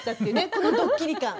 このドッキリ感。